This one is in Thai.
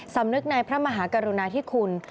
สำนึกในพระมหากรุณาธิคุณ